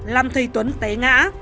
làm thầy tuấn té ngã